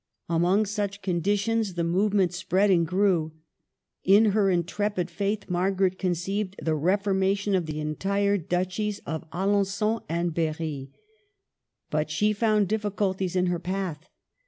Among such conditions the movement spread and grew. In her intrepid faith Margaret con ceived the reformation of the entire duchies of Alengon and Berry. But she found difficulties in her path.